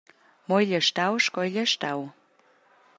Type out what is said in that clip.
Mo igl ei stau sco igl ei stau.